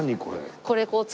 これ。